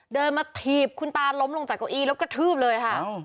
เดินมาถีบคุณตาล้มลงจากเก้าอี้แล้วกระทืบเลยค่ะ